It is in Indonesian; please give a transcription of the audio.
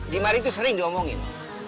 di mari itu sering diomongin